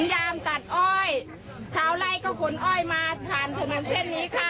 เดี๋ยวก็ถึงยามตัดอ้อยชาวไล่ก็ขนอ้อยมาผ่านถนนเส้นนี้ค่ะ